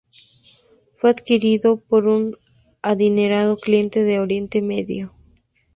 Fue adquirido por un adinerado cliente de Oriente Medio.